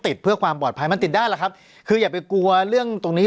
เพื่อความปลอดภัยมันติดได้ล่ะครับคืออย่าไปกลัวเรื่องตรงนี้